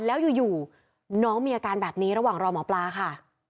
แล้วอยู่น้องมีอาการแบบนี้ระหว่างรอหมอปลาค่ะ